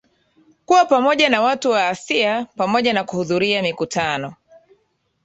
kuwa pamoja na watu wa asia pamoja na kuhudhuria mikutano